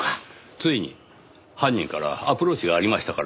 ついに犯人からアプローチがありましたからねぇ。